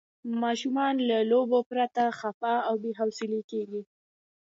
ماشومان له لوبو پرته خفه او بې حوصله کېږي.